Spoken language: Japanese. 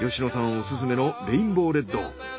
オススメのレインボーレッド。